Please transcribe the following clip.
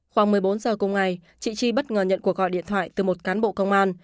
khoảng một mươi bốn giờ cùng ngày chị chi bất ngờ nhận cuộc gọi điện thoại từ một cán bộ công an